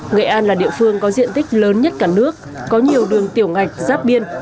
nghệ an là địa phương có diện tích lớn nhất cả nước có nhiều đường tiểu ngạch giáp biên